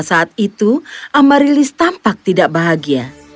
saat itu amarilis tampak tidak bahagia